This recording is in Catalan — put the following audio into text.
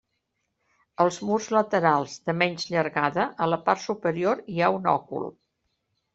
Als murs laterals, de menys llargada, a la part superior hi ha un òcul.